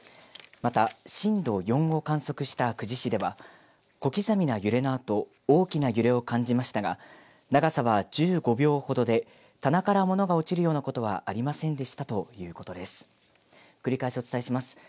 また震度４を観測した久慈市では小刻みな揺れのあと大きな揺れを感じましたが長さは１５秒ほどで棚から物が落ちるようなことはありませんでしたということです。